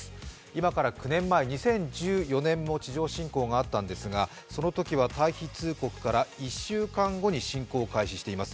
今から９年前、２０１４年も地上侵攻があったんですが、そのときは退避通告から１週間後に侵攻を開始しています。